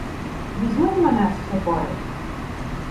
- Візьми й мене з собою.